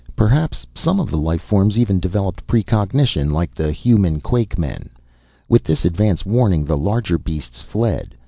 Perhaps some of the life forms even developed precognition like the human quakemen. With this advance warning the larger beasts fled.